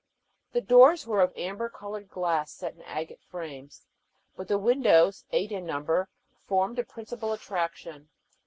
The doors were of amber colored glass set in agate frames; but the windows, eight in number, formed the principal attraction.